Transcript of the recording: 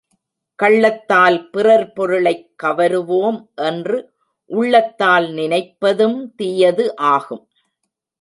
கள்ளத்தால் பிறர் பொருளைக் கவருவோம் என்று உள்ளத்தால் நினைப்பதும் தீயது ஆகும்.